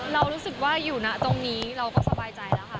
เรารู้สึกว่าอยู่นะตรงนี้เราก็สบายใจแล้วค่ะ